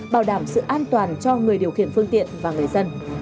bảo đảm sự an toàn cho người điều khiển phương tiện và người dân